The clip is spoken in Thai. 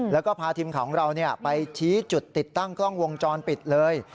แล้วก็พาทีมข่าวของเราไปชี้จุดติดตั้งกล้องวงจรปิดเลย